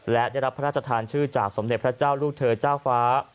และได้รับพระราชทานชื่อจากสมเด็จพระเจ้าลูกเธอเจ้าฟ้า